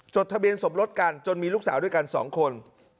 ทะเบียนสมรสกันจนมีลูกสาวด้วยกัน๒คน